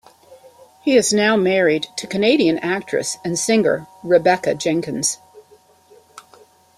He is now married to Canadian actress and singer Rebecca Jenkins.